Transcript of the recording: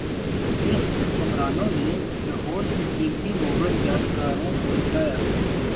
سکھ حکمرانوں نے لاہور کی قیمتی مغل یادگاروں کو لوٹا